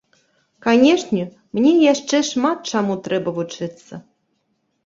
Канешне, мне яшчэ шмат чаму трэба вучыцца.